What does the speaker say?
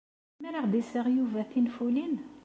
Yezmer ad aɣ-d-iseɣ Yuba tinfulin?